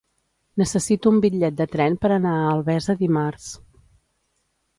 Necessito un bitllet de tren per anar a Albesa dimarts.